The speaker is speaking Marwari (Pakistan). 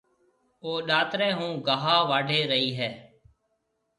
او ڏاتري هون گاها واڍهيَ رئي هيَ۔